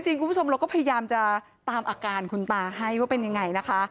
คุณผู้ชมเราก็พยายามจะตามอาการคุณตาให้ว่าเป็นยังไงนะคะ